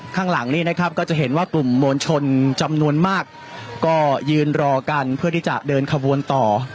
ข้างหลังนี้นะครับก็จะเห็นว่ากลุ่มมวลชนจำนวนมากก็ยืนรอกันเพื่อที่จะเดินขบวนต่อ